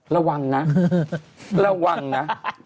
ระวังนะระวังนะ